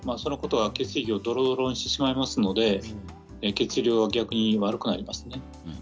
血液をどろどろにしてしまいますので血流が悪くなりますね。